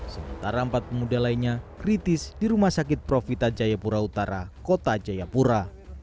sementara empat pemuda lainnya kritis di rumah sakit profita jayapura utara kota jayapura